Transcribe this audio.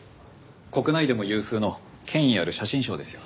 国内でも有数の権威ある写真賞ですよ。